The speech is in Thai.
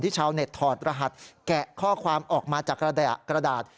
ชาวเน็ตถอดรหัสแกะข้อความออกมาจากกระดาษ